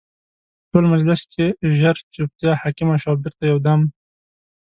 په ټول مجلس کې ژر جوپتیا حاکمه شوه او بېرته یو دم